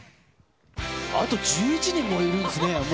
あと１１人もいるんですね。